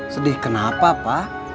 sedih kenapa pak